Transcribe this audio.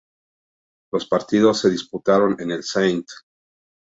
Los partidos se disputaron en el St.